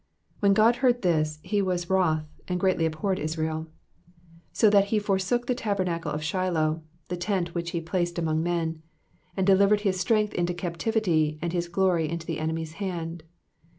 59 When God heard this, he was wroth, and greatly abhorred Israel : 60 So that he forsook the tabernacle of Shiloh, the tent which he placed among men ; 61 And delivered his strength into captivity, and his glory into the enemy's hand.